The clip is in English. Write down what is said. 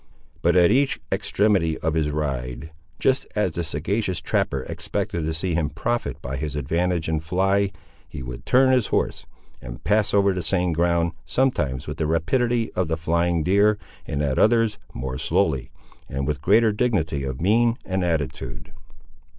But, at each extremity of his ride, just as the sagacious trapper expected to see him profit by his advantage and fly, he would turn his horse, and pass over the same ground, sometimes with the rapidity of the flying deer, and at others more slowly, and with greater dignity of mien and attitude.